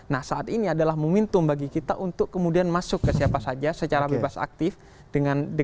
nah saat ini adalah momentum bagi kita untuk kemudian masuk ke siapa saja secara bebas aktif